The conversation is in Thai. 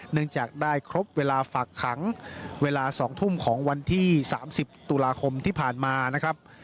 เนื่องจากได้ครบเวลาฝากขังเวลา๒ทุ่มของวันที่๓๐ตุลาคมที่ผ่านมานะครับ